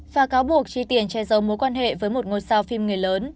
và cáo buộc chi tiền che giấu mối quan hệ với một ngôi sao phim người lớn